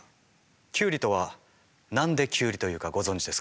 キュウリとは何でキュウリというかご存じですか？